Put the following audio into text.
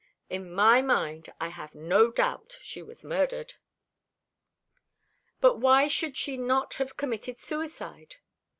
"In my own mind I have no doubt she was murdered." "But why should she not have committed suicide?"